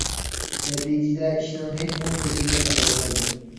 نەتىجىدە ئىشنىڭ ھېچ ئوڭ سېپىنى تاپالمايدۇ.